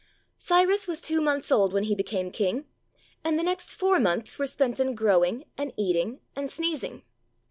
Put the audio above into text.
Cyrus was two months old when he became king, and the next four months were spent in growing and eating and sneezing.